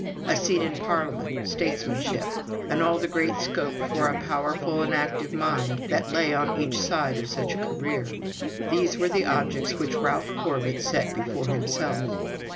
A seat in Parliament, statesmanship, and all the great scope for a powerful and active mind that lay on each side of such a career these were the objects which Ralph Corbet set before himself.